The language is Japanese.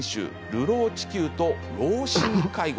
「流浪地球」と「老神介護」。